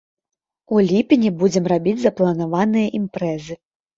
У ліпені будзем рабіць запланаваныя імпрэзы.